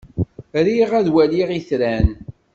Riɣ ad waliɣ itran.